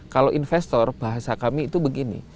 kalau investor bahasa kami itu begini